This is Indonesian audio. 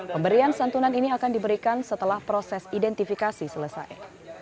pemberian santunan ini akan diberikan setelah proses identifikasi selesai